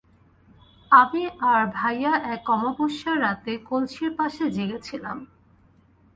আমি আর ভাইয়া এক অমাবস্যার রাতে কলসির পাশে জেগেছিলাম।